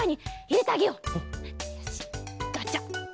よしガチャッ！